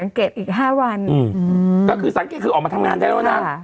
สังเกตอีกห้าวันอืมก็คือสังเกตคือออกมาทำงานได้แล้วนะค่ะ